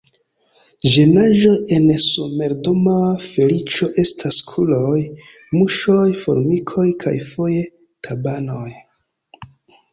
Ĝenaĵoj en somerdoma feliĉo estas kuloj, muŝoj, formikoj kaj foje tabanoj.